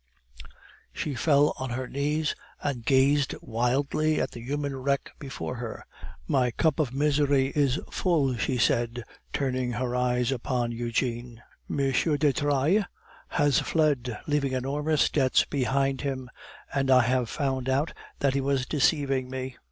She fell on her knees, and gazed wildly at the human wreck before her. "My cup of misery is full," she said, turning her eyes upon Eugene. "M. de Trailles has fled, leaving enormous debts behind him, and I have found out that he was deceiving me.